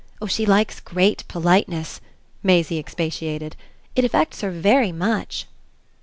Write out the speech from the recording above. Oh she likes great politeness," Maisie expatiated. "It affects her very much."